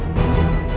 duduk dulu ya ma